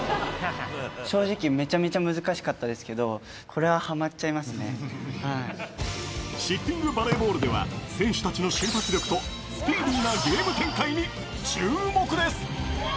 正直、めちゃめちゃ難しかったですけど、シッティングバレーボールでは、選手たちの瞬発力とスピーディーなゲーム展開に注目です。